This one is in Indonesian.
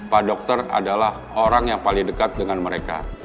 pak dokter adalah orang yang paling dekat dengan mereka